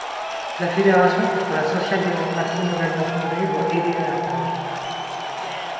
La fédération contre la sociale-démocratie nouvellement fondée doit aider à la tâche.